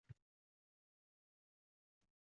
Tabiatni ko‘mib oltinu zarga.